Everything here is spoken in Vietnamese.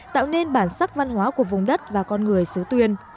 tạo nên bản sắc văn hóa của vùng đất và con người xứ tuyên